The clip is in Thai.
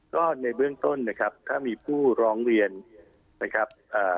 ก็ในเบื้องต้นนะครับถ้ามีผู้ร้องเรียนนะครับอ่า